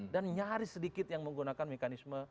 dan nyaris sedikit yang menggunakan mekanisme